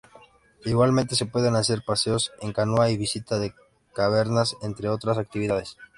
Igualmente se pueden hacer paseos en canoa y visita de cavernas entre otras actividades.